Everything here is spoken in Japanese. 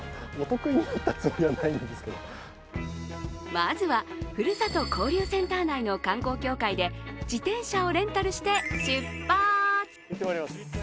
まずはふるさと交流センター内の観光協会で、自転車をレンタルして、出発。